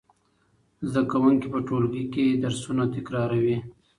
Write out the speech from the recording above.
زده کوونکي په ټولګي کې درسونه تکراروي.